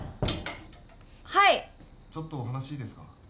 はいちょっとお話いいですか？